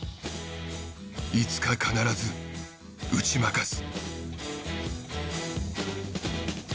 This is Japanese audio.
いつか必ず打ち負かす。